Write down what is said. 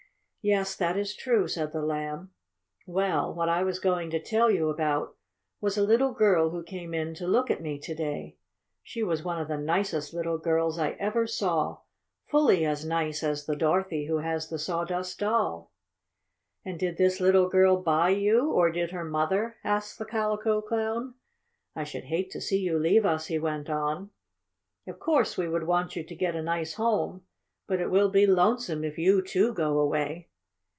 "Yes, that is true," said the Lamb. "Well, what I was going to tell you about was a little girl who came in to look at me to day. She was one of the nicest little girls I ever saw fully as nice as the Dorothy who has the Sawdust Doll." "And did this little girl buy you or did her mother?" asked the Calico Clown. "I should hate to see you leave us," he went on. "Of course we want you to get a nice home, but it will be lonesome if you, too, go away."